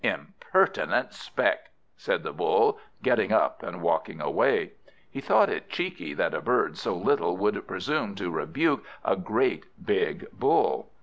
"Impertinent speck!" said the Bull, getting up and walking away. He thought it cheeky that a bird so little should presume to rebuke a great big Bull.